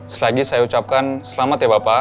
selagi saya ucapkan selamat ya bapak